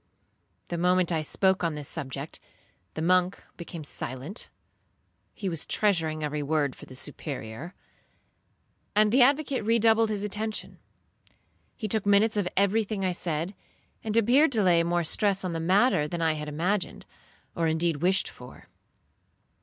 The moment I spoke on this subject the monk became silent, (he was treasuring every word for the Superior), and the advocate redoubled his attention. He took minutes of every thing I said, and appeared to lay more stress on the matter than I had imagined, or indeed wished for.